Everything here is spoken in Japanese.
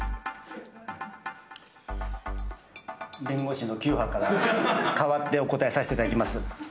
弁護士の清原から、代わってお答えさせていただきます。